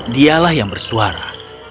dialah yang bersuara